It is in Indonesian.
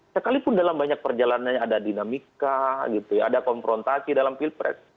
sekalipun dalam banyak perjalanannya ada dinamika ada konfrontasi dalam pilpres